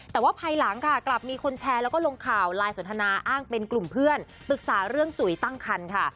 แต่ว่าภายหลังค่ะกลับมีคนแชร์แล้วก็ลงข่าวไลน์สนทนาอ้างเป็นกลุ่มเพื่อนปรึกษาเรื่องจุ๋ยตั้งคันค่ะ